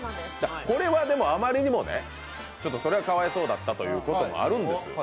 これは、でも、あまりにもねかわいそうだったということもあるんです。